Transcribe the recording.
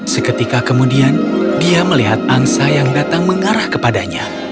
seketika kemudian dia melihat angsa yang datang mengarah kepadanya